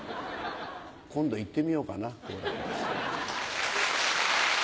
今度行ってみようかな好楽です。